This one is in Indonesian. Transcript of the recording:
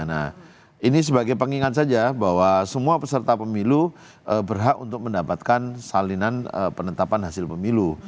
nah ini sebagai pengingat saja bahwa semua peserta pemilu berhak untuk mendapatkan salinan penetapan hasil pemilu